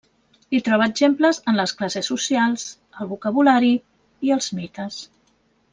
Hi troba exemples en les classes socials, el vocabulari i els mites.